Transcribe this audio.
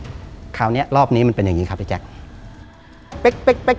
อืมคราวเนี้ยรอบนี้มันเป็นอย่างงี้ครับไอ้แจ๊กเป๊ะเป๊ะเป๊ะ